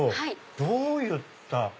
どういった。